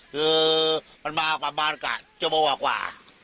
คือมันมากว่าบ้านกะจบกว่ากว่า